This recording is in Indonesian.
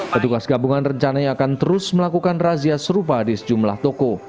petugas gabungan rencananya akan terus melakukan razia serupa di sejumlah toko